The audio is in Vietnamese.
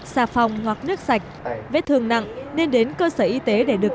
xà phòng hoặc nước sạch vết thương nặng nên đến cơ sở y tế để được